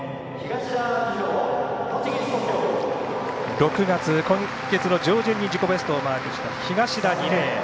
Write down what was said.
６月、今月の上旬に自己ベストをマークした東田、２レーン。